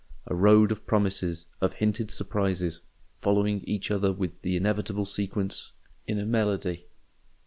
A road of promises, of hinted surprises, following each other with the inevitable sequence in a melody.